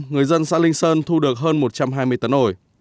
người dân xã linh sơn thu được hơn một trăm hai mươi tấn ồ